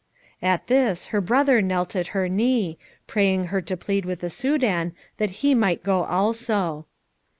At this her brother knelt at her knee, praying her to plead with the Soudan that he might go also.